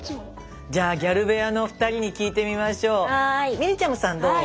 みりちゃむさんどう？